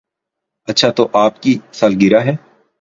اچھا تو آج آپ کی سالگرہ ہے